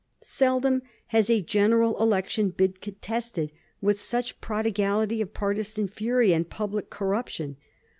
Seldom has a general election been contested with such a prodigality of partisan fury and public corruption.